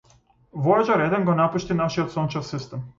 Војаџер еден го напушти нашиот сончев систем.